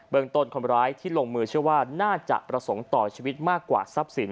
ต้นคนร้ายที่ลงมือเชื่อว่าน่าจะประสงค์ต่อชีวิตมากกว่าทรัพย์สิน